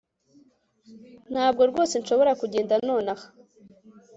Ntabwo rwose nshobora kugenda nonaha